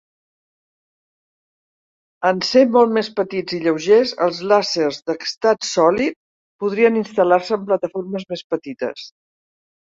En ser molt més petits i lleugers, els làsers d'estat sòlid podrien instal·lar-se en plataformes més petites.